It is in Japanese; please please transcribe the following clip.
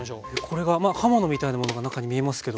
これがまあ刃物みたいなものが中に見えますけど。